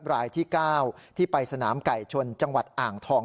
รายที่๙ที่ไปสนามไก่ชนจังหวัดอ่างทอง